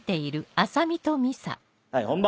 はい本番。